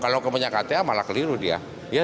kalau ke menyakatean malah keliru dia